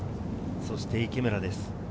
そして池村です。